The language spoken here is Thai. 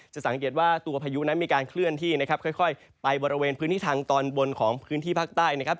สังเกตว่าตัวพายุนั้นมีการเคลื่อนที่นะครับค่อยไปบริเวณพื้นที่ทางตอนบนของพื้นที่ภาคใต้นะครับ